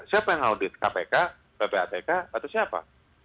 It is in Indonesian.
siapa yang audit kpk ppatk atau siapa